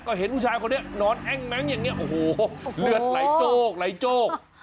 ก็เห็นผู้ชายคนนี้นอนแอ้งแม้งอย่างนี้โอ้โหเลือดไหลโจ๊กไหลโจ๊ก